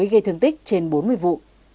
gây thương tích trên bốn mươi vụ